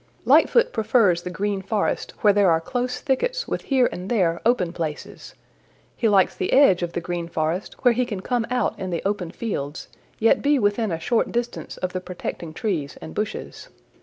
"Lightfoot prefers the Green Forest where there are close thickets with here and there open places. He likes the edge of the Green Forest where he can come out in the open fields, yet be within a short distance of the protecting trees and bushes.